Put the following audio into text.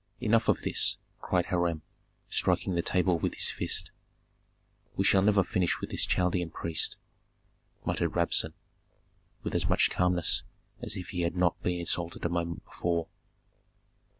"Enough of this!" cried Hiram, striking the table with his fist. "We never shall finish with this Chaldean priest," muttered Rabsun, with as much calmness as if he had not been insulted a moment before.